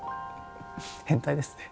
変態ですね。